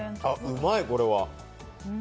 うまい、これは。